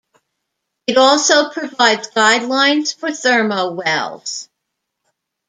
It also provides guidelines for thermowells.